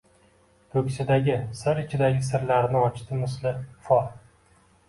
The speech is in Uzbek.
Koʻksidagi – sir ichidagi sirlarini ochdi misli fol: